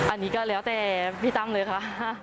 อันนี้ก็แล้วแต่พี่ตั้งเลยค่ะ